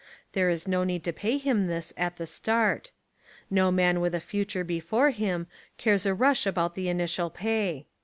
There is no need to pay him this at the start. No man with a future before him cares a rush about the initial pay.